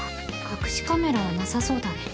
隠しカメラはなさそうだね。